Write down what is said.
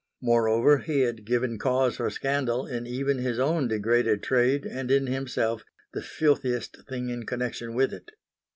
Moreover, he had given cause for scandal in even his own degraded trade and in himself, the filthiest thing in connection with it.